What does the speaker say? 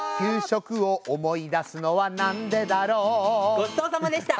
ごちそうさまでした。